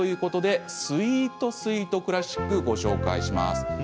「スイート・スイート・クラシック」をご紹介します。